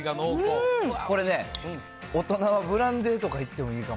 ミルクの味が濃厚、これね、大人はブランデーとかいってもいいかも。